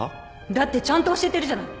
だってちゃんと教えてるじゃない。